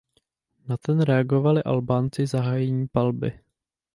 Na ten reagovali Albánci zahájením palby.